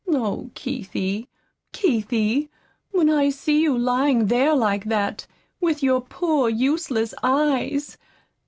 Oh, Keithie, Keithie, when I see you lying there like that, with your poor useless eyes